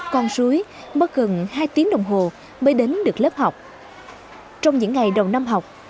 con suối mất gần hai tiếng đồng hồ mới đến được lớp học trong những ngày đầu năm học